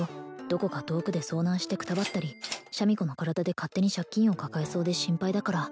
「どこか遠くで遭難してくたばったり」「シャミ子の体で勝手に借金を抱えそうで心配だから」